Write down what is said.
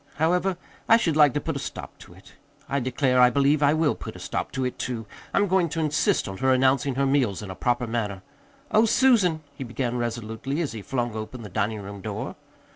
However, I should like to put a stop to it. I declare, I believe I will put a stop to it, too! I'm going to insist on her announcing her meals in a proper manner. Oh, Susan," he began resolutely, as he flung open the dining room door.